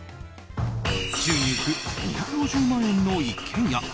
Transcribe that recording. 宙に浮く２５０万円の一軒家。